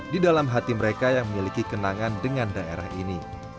di dalam hati mereka yang memiliki kenangan dengan daerah ini